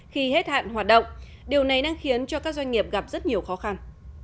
khi hết hạn hoạt động điều này đang khiến cho các doanh nghiệp gặp rất nhiều khó khăn